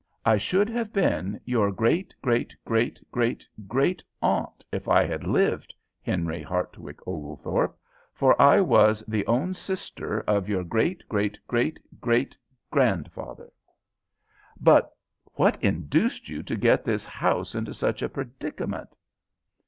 I should have been your great great great great great aunt if I had lived, Henry Hartwick Oglethorpe, for I was the own sister of your great great great great grandfather." "But what induced you to get this house into such a predicament?"